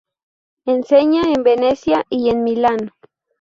Enseña en Venecia y en Milán.